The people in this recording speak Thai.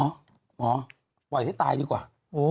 หมอไหวไว้ใต้ตายดีกว่า